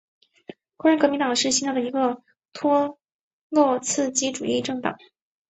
工人革命党是希腊的一个托洛茨基主义政党。